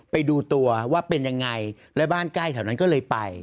ไปดูตัวว่าเป็นยังไงและบ้านใกล้แถวนั้นก็เลยไป